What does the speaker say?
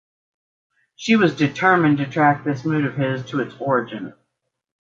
She was determined to track this mood of his to its origin.